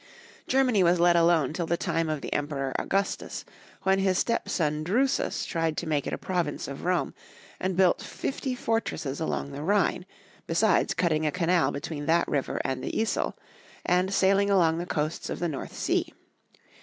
Germany was let alone till the time of the Em peror Augustus, when his step son Drusus tried to make it a province of Rome, and built fifty for tresses along the Rhine, besides cutting a canal be tween that river and the Yssel, and sailing along the coasts of the North sea.